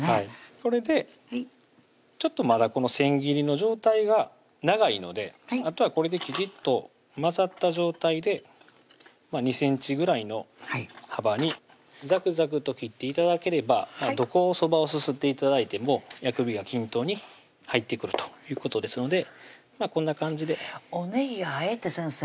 これでちょっとまだ千切りの状態が長いのであとはこれできちっと混ざった状態で２ｃｍぐらいの幅にざくざくと切って頂ければどこをそばをすすって頂いても薬味が均等に入ってくるということですのでこんな感じでおねぎあえて先生